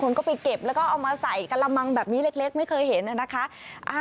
คนก็ไปเก็บแล้วก็เอามาใส่กระมังแบบนี้เล็กไม่เคยเห็นนะคะ